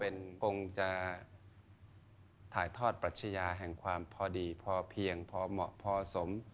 คงจะถ่ายทอดปรัชญาแห่งความพอดีพอเพียงพอเหมาะพอสม